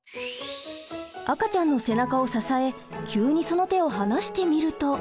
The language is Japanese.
赤ちゃんの背中を支え急にその手を離してみると。